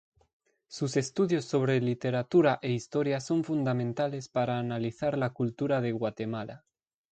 Sus estudios sobre literatura e historia son fundamentales para analizar la cultura de Guatemala.